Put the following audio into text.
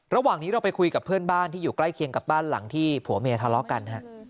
ระหว่างนี้เราไปคุยกับเพื่อนบ้านที่อยู่ใกล้เคียงกับบ้านหลังที่ผัวเมียทะเลาะกัน